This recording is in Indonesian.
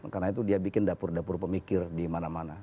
karena itu dia bikin dapur dapur pemikir di mana mana